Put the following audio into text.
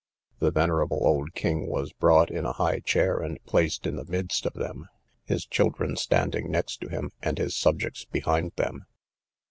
The venerable old king was brought in a high chair, and placed in the midst of them, his children standing next to him, and his subjects behind them.